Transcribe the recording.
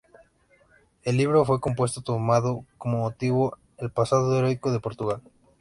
El libro fue compuesto tomando como motivo el pasado heroico de Portugal.